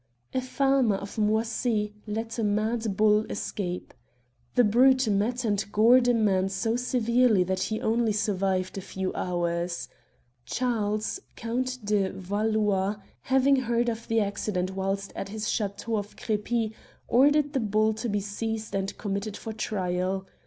A farmer of Moisy let a mad bull escape. The brute met and gored a man so severely that he only survived a few hours. Charles, Count de Valois, having heard of the accident whilst at his chateau of Cr6py, ordered the bull to be seized and committed for trial.